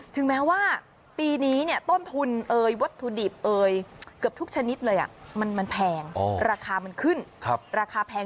ถึงแม้ว่าปีนี้ต้นทุนวัตถุดิบเอ่ยเกือบทุกชนิดเลยมันแพงราคามันขึ้นราคาแพง